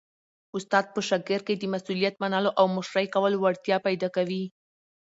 استاد په شاګرد کي د مسؤلیت منلو او مشرۍ کولو وړتیا پیدا کوي.